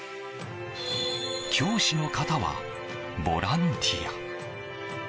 教師の方はボランティア。